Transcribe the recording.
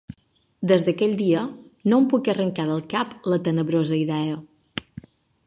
Des d'aquell dia no em puc arrancar del cap la tenebrosa idea